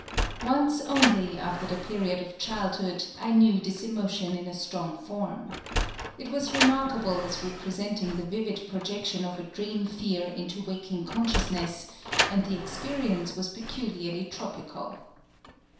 Once only, after the period of childhood, I knew this emotion in a strong form. It was remarkable as representing the vivid projection of a dream fear into waking consciousness; and the experience was peculiarly tropical.